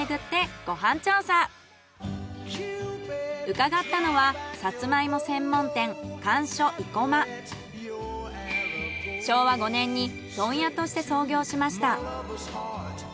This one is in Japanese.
伺ったのはサツマイモ専門店昭和５年に問屋として創業しました。